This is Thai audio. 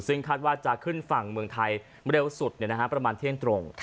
ซึ่งคาดว่าจะขึ้นฝั่งเมืองไทยเร็วสุดประมาณเที่ยงตรง